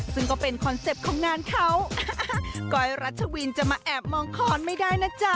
ซึ่งก็เป็นคอนเซ็ปต์ของงานเขาก้อยรัชวินจะมาแอบมองคอนไม่ได้นะจ๊ะ